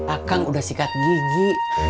akang udah sikat gigi